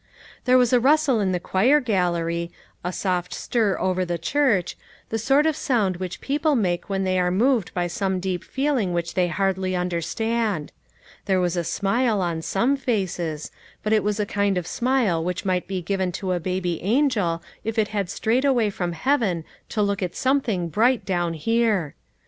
There was a rustle in the choir gallery, a soft stir over the church, the sort of sound which people make when they are moved by some deep feeling which they hardly understand ; there was a smile on some faces, but it was the kind of smile which might be given to a baby angel if it had strayed away from heaven to look at something bright down here.